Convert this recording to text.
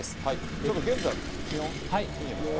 ちょっと現在の気温見てみますか。